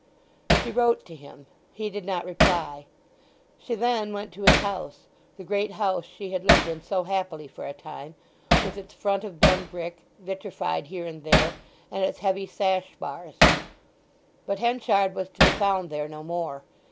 She wrote to him; he did not reply. She then went to his house—the great house she had lived in so happily for a time—with its front of dun brick, vitrified here and there and its heavy sash bars—but Henchard was to be found there no more.